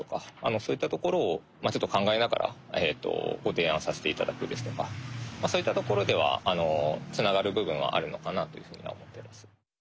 そういったところをまあちょっと考えながらそういったところではつながる部分はあるのかなというふうには思っています。